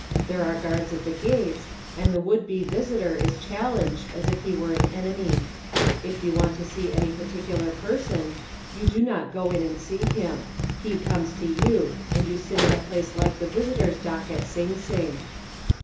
There are guards at the gates, and the would be visitor is challenged as if he were an enemy. If you want to see any particular person, you do not go in and see him he comes to you and you sit in a place like the visitors' dock at Sing Sing.